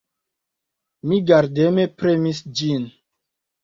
Mi gardeme premis ĝin.